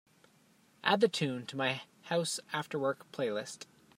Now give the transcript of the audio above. Add the tune to my House Afterwork playlist.